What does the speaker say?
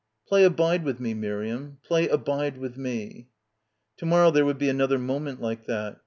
... "Play c Abide with me,' Miriam; play 'Abide with me/ "... To morrow there would be another moment like that.